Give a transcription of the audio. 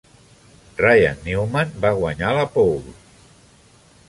Ryan Newman va guanyar la pole.